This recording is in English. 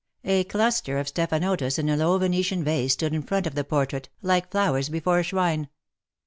280 A cluster of stephanotis in a low Venetian vase stood in front of that portrait^ like flowers before a shrine.